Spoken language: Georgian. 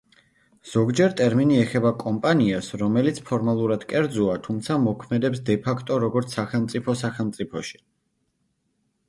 ზოგჯერ, ტერმინი ეხება კომპანიას, რომელიც ფორმალურად კერძოა, თუმცა მოქმედებს დე-ფაქტო როგორც „სახელმწიფო სახელმწიფოში“.